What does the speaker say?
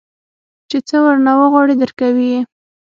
چې سه ورنه وغواړې درکوي يې.